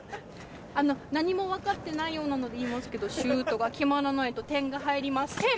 あの何も分かってないようなので言いますけどシュートが決まらないと点が入りません！